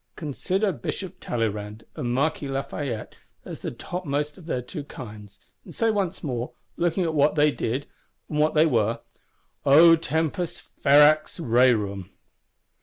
Consider Bishop Talleyrand and Marquis Lafayette as the topmost of their two kinds; and say once more, looking at what they did and what they were, _O Tempus ferax rerum!